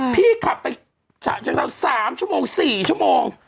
พี่ขับไปฉะเชิงเซา๓ชั่วโมง๔ชั่วโมง